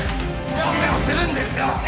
オペをするんですよ！